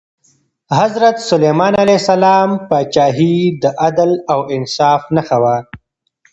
د حضرت سلیمان علیه السلام پاچاهي د عدل او انصاف نښه وه.